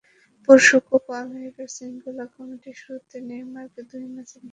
পরশু কোপা আমেরিকার শৃঙ্খলা কমিটি শুরুতে নেইমারকে দুই ম্যাচের নিষেধাজ্ঞাই দিয়েছিল।